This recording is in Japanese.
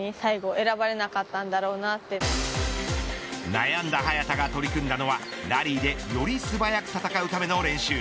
悩んだ早田が取り組んだのはラリーでより素早く戦うための練習。